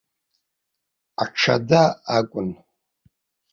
Аҽада акәын.